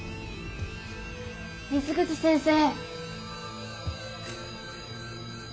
水口先生。